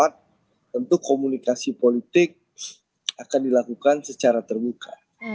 tentu komunikasi politik akan dilakukan secara terbuka